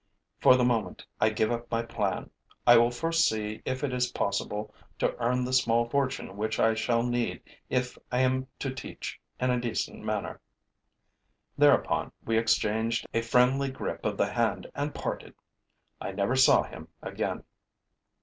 For the moment, I give up my plan. I will first see if it is possible to earn the small fortune which I shall need if I am to teach in a decent manner.' Thereupon we exchanged a friendly grip of the hand and parted. I never saw him again.